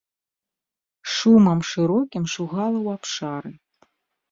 Шумам шырокім шугала ў абшары.